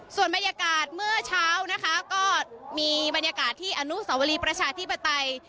ส่วนบรรยากาศเมื่อเช้านะคะก็มีบรรยากาศที่อนุสวรีประชาธิปไตย